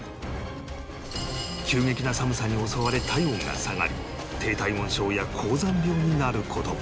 急激な寒さに襲われ体温が下がり低体温症や高山病になる事も